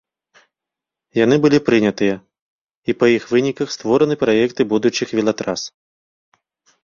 Яны былі прынятыя, і па іх выніках створаны праекты будучых велатрас.